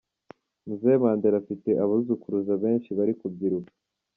Mzee Mandela afite abuzukuruza benshi bari kubyiruka.